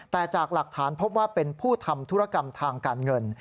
แต่จากหลักฐานพบว่าเป็นผู้ทำธุรกรรมทางการเงิน